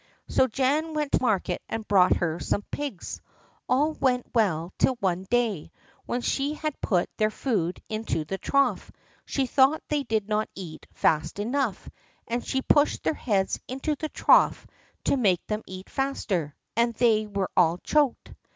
So Jan went to market and bought her some pigs. All went well till one day, when she had put their food into the trough, she thought they did not eat fast enough, and she pushed their heads into the trough to make them eat faster, and they were all choked.